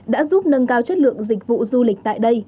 đã giúp nâng cao chất lượng dịch vụ du lịch tại đây